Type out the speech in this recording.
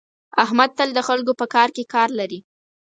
احمد تل د خلکو په کار کې کار لري.